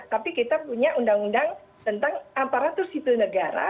tapi kita punya undang undang tentang aparatur sipil negara